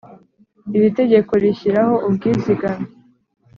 Iri tegeko rishyiraho ubwizigame